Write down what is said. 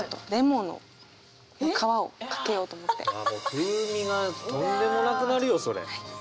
風味がとんでもなくなるよそれ。